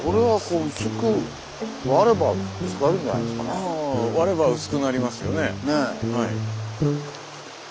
ああ割れば薄くなりますよね。